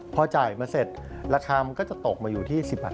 พอจ่ายมาเสร็จราคามันก็จะตกมาอยู่ที่๑๐บาท